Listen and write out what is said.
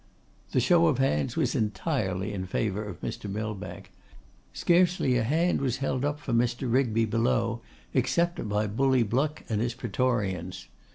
The show of hands was entirely in favour of Mr. Millbank. Scarcely a hand was held up for Mr. Rigby below, except by Bully Bluck and his praetorians.